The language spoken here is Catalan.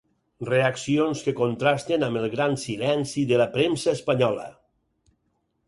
Reaccions que contrasten amb el gran silenci de la premsa espanyola.